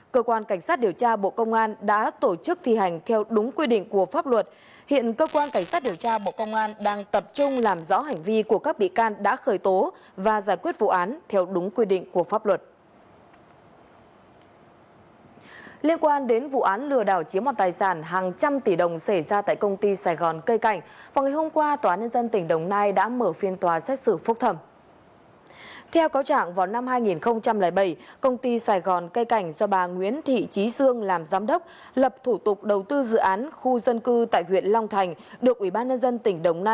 cơ quan cảnh sát điều tra bộ công an đang tiến hành điều tra vụ án vi phạm quy định về quản lý và sử dụng vốn đầu tư công gây hậu quả nghiêm trọng nhận hối lộ xảy ra tại tổng công tin và truyền thông mobile phone bộ thông tin và truyền thông